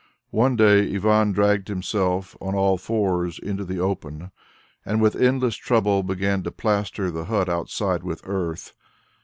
One day Ivan dragged himself on all fours into the open, and with endless trouble began to plaster the hut outside with earth.